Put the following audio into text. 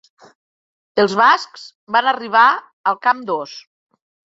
Els bascs van arribar al camp dos.